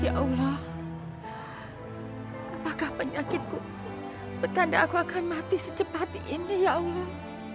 ya allah apakah penyakitku betanda aku akan mati secepat ini ya allah